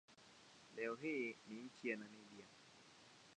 Leo hii ni nchi ya Namibia.